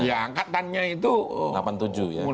ya angkatannya itu